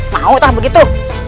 mau atau begitu